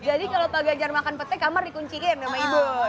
jadi kalau pak ganjar makan petai kamar dikunciin sama ibu